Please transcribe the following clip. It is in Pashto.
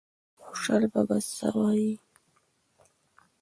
خوشال بابا څه وایي؟